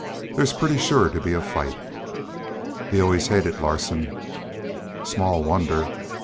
There's pretty sure to be a fight." "He always hated Larsen." "Small wonder.